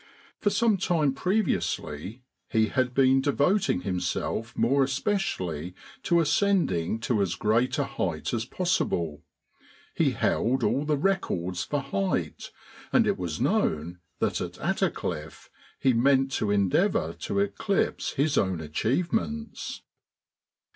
For some time previously he had been devoting himself more especially to ascending to as great a height as possible. He held all the records for height, and it was known that at Attercliffe he meant to endeavour to eclipse his own achievements.